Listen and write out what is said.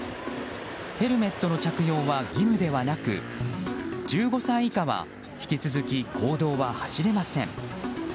ヘルメットの着用は義務ではなく１５歳以下は引き続き公道は走れません。